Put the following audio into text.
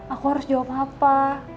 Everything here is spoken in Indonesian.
aku harus jawab apa